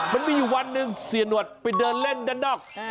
มันมีอยู่วันหนึ่งเสียหนวดไปเดินเล่นด้านนอก